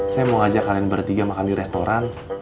saya mau ajak kalian bertiga makan di restoran